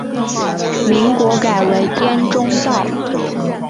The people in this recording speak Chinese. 民国改为滇中道。